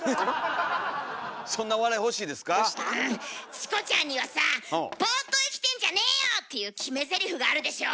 チコちゃんにはさ「ボーっと生きてんじゃねーよ！」っていう決めゼリフがあるでしょ？